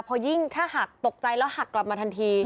พอยิ่งถ้าหักตกใจแล้วหักกลับมาทันที